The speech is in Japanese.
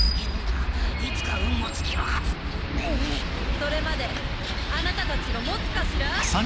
それまであなたたちが持つかしら？